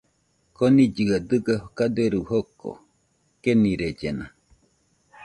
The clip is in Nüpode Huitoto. Konillɨe dɨga kaderu joko, kenirellena.